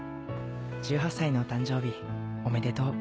１８歳のお誕生日おめでとう。